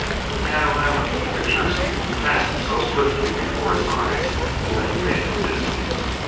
A panorama of pictures passed so swiftly before his eyes that it made him dizzy.